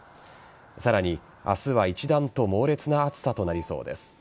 さらに、明日は一段と猛烈な暑さとなりそうです。